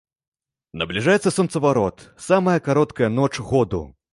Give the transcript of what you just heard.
Набліжаецца сонцаварот, самая кароткая ноч году.